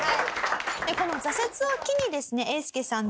この挫折を機にですねえーすけさん